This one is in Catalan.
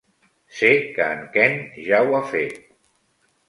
Sé que en Ken ja ho ha fet.